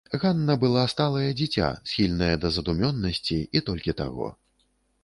Ганна была сталае дзіця, схільнае да задумёнасці, і толькі таго.